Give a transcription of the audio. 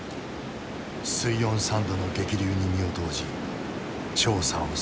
水温３℃の激流に身を投じ調査を進める。